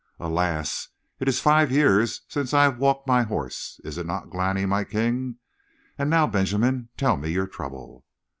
Alas, it is five years since I have walked my horse! Is it not, Glani, my king? And now, Benjamin, tell me your trouble."